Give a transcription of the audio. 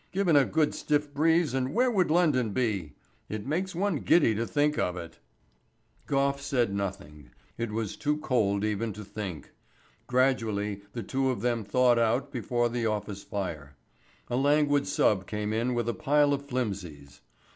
Given a good stiff breeze and where would London be? It makes one giddy to think of it." Gough said nothing. It was too cold even to think. Gradually the two of them thawed out before the office fire. A languid sub came in with a pile of flimsies.